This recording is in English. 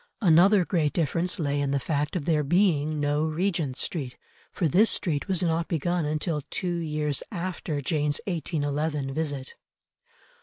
Another great difference lay in the fact of there being no Regent Street, for this street was not begun until two years after Jane's 1811 visit.